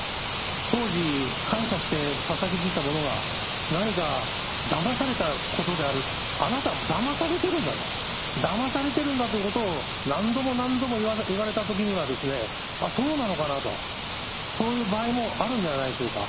当時、感謝してささげていたものが、何かだまされたことである、あなた、もうだまされているんだと、だまされてるんだということを、何度も何度も言われたときには、あっ、そうなのかなと、そういう場合もあるんではないでしょうか。